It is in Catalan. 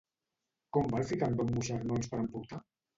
Com va el fricandó amb moixernons per emportar?